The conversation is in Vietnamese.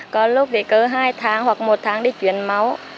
có lúc vì có hai tháng hoặc một tháng đi chuyển máu